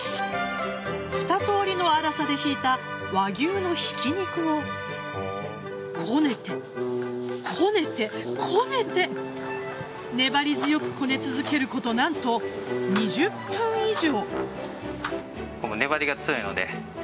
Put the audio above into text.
二通りの粗さでひいた和牛のひき肉をこねて、こねて、こねて粘り強くこね続けること何と２０分以上。